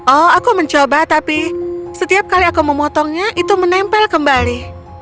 oh aku mencoba tapi setiap kali aku memotongnya itu menempel kembali